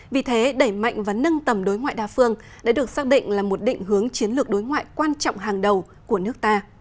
vì thế đẩy mạnh và nâng tầm đối ngoại đa phương đã được xác định là một định hướng chiến lược đối ngoại quan trọng hàng đầu của nước ta